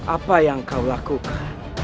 apa yang kau lakukan